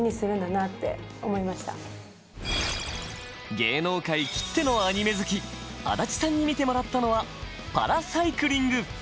芸能界きってのアニメ好き足立さんに見てもらったのは「パラサイクリング」。